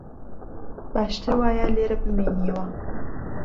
باشتر وایە لێرە بمێنییەوە